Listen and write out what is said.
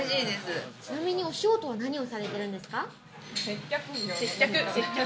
お仕事は何をされてるんですか？